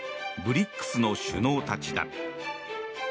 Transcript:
ＢＲＩＣＳの首脳たちだ。